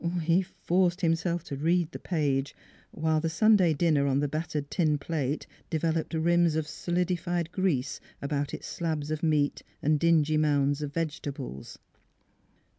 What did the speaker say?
" He forced himself to read the page, while the Sunday dinner on the battered tin plate developed rims of solidified grease about its slabs of meat and dingy mounds of vegetables.